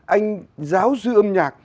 anh giáo sư âm nhạc